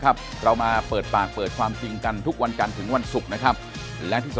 แค่เปิดบัญชีแจ้งมาเปิดบัญชี